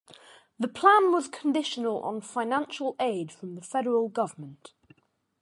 The plan was conditional on financial aid from the federal government.